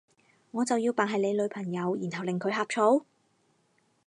我就要扮係你女朋友，然後令佢呷醋？